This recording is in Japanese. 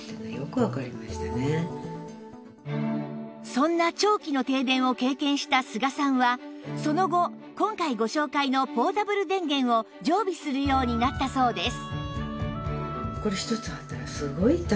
そんな長期の停電を経験した須賀さんはその後今回ご紹介のポータブル電源を常備するようになったそうです